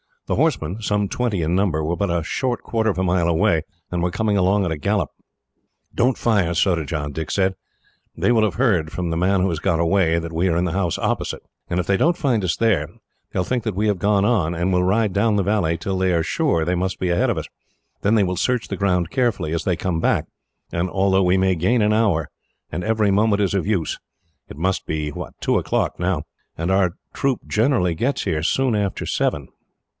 The horsemen, some twenty in number, were but a short quarter of a mile away, and were coming along at a gallop. "Don't fire, Surajah," Dick said. "They will have heard, from the man who has got away, that we are in the house opposite, and if they don't find us there, they will think that we have gone on, and will ride down the valley till they are sure they must be ahead of us. Then they will search the ground carefully, as they come back, and altogether we may gain an hour; and every moment is of use. It must be two o'clock now, and our troop generally gets here soon after seven."